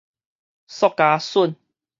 塑膠筍